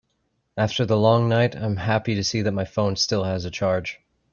After the long night, I am happy to see that my phone still has a charge.